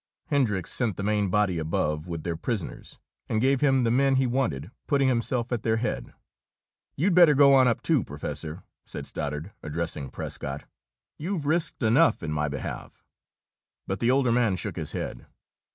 Hendricks sent the main body above, with their prisoners, and gave him the men he wanted, putting himself at their head. "You'd better go on up, too, Professor," said Stoddard, addressing Prescott. "You've risked enough, in my behalf." But the older man shook his head.